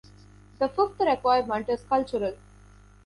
The fifth requirement is cultural.